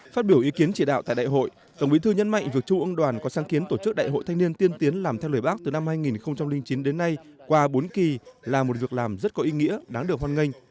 phát biểu ý kiến chỉ đạo tại đại hội tổng bí thư nhấn mạnh việc trung ương đoàn có sáng kiến tổ chức đại hội thanh niên tiên tiến làm theo lời bác từ năm hai nghìn chín đến nay qua bốn kỳ là một việc làm rất có ý nghĩa đáng được hoan nghênh